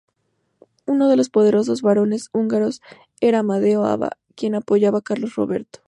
Uno de los poderosos barones húngaros era Amadeo Aba, quien apoyaba a Carlos Roberto.